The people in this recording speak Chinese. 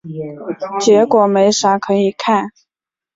结果没啥可以看